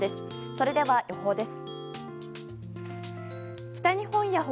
それでは、予報です。